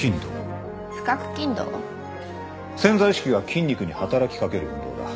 潜在意識が筋肉に働き掛ける運動だ。